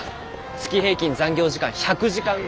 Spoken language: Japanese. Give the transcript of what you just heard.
月平均残業時間１００時間超えって。